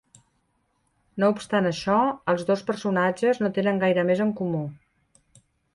No obstant això, els dos personatges no tenen gaire més en comú.